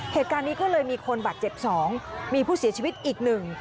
เหตุการณ์นี้ก็เลยมีคนบาดเจ็บสองมีผู้เสียชีวิตอีกหนึ่ง